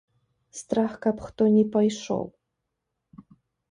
Страх, каб хто не пайшоў.